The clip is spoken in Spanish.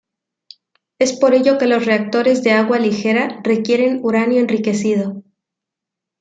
Es por ello que los reactores de agua ligera requieren uranio enriquecido.